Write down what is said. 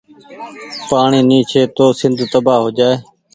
پآڻيٚ ني ڇي تو سند تبآه هوجآئي۔